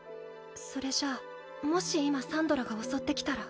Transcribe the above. それじゃあもし今サンドラが襲ってきたら。